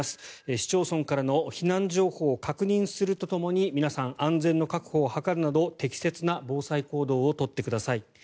市町村からの避難情報を確認するとともに皆さん、安全の確保を図るなど適切な防災行動を取ってください。